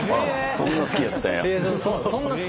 ・そんな好きやってん？